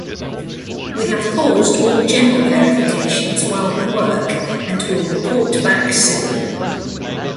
We have paused all general verifications while we work and will report back soon.